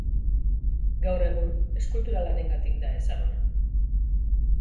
Gaur egun eskultura-lanengatik da ezaguna.